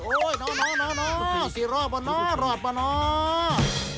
โอ้โฮน้องสิรอดป่ะน้องรอดป่ะน้อง